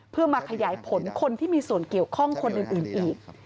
เพื่อมาขยายผลคนที่มีส่วนเกี่ยวข้องคนอื่นอีก